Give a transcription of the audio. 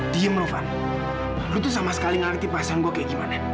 diam rufan lo tuh sama sekali ngerti perasaan gue kayak gimana